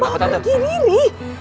mau pergi diri